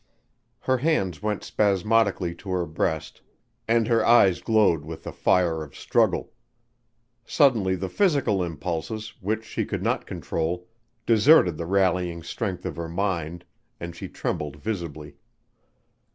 Her hands went spasmodically to her breast and her eyes glowed with the fire of struggle. Suddenly the physical impulses, which she could not control, deserted the rallying strength of her mind, and she trembled visibly.